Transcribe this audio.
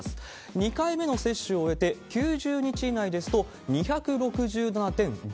２回目の接種を終えて９０日以内ですと２６７．５。